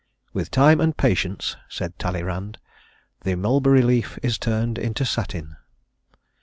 "With time and patience," said Talleyrand, "the mulberry leaf is turned into satin."